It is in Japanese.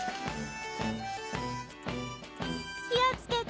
気をつけて。